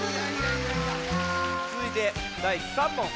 つづいて第３問。